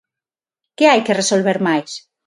¿Que hai que resolver máis?